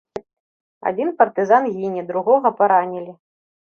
Адзін партызан гіне, другога паранілі.